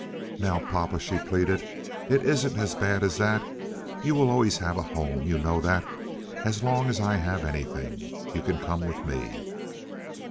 "Now, papa!" she pleaded, "it isn't as bad as that. You will always have a home—you know that—as long as I have anything. You can come with me."